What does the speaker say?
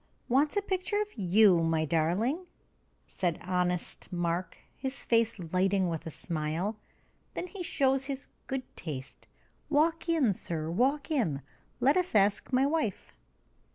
"Wants a picture of you, my darling!" said honest Mark, his face lighting with a smile. "Then he shows his good taste. Walk in, sir; walk in. Let us ask my wife."